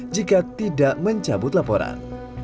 jika tidak mencabut laporan